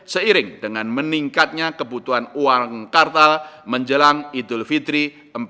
seiring dengan meningkatnya kebutuhan uang kartal menjelang idul fitri empat belas